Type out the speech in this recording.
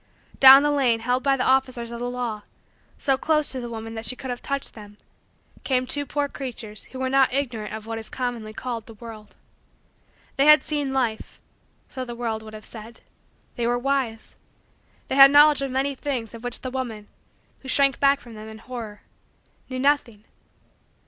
Down the lane held by the officers of the law, so close to the woman that she could have touched them, came two poor creatures who were not ignorant of what is commonly called the world. They had seen life so the world would have said. They were wise. They had knowledge of many things of which the woman, who shrank back from them in horror, knew nothing.